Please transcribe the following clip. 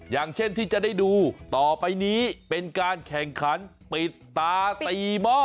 อย่างเช่นที่จะได้ดูต่อไปนี้เป็นการแข่งขันปิดตาตีหม้อ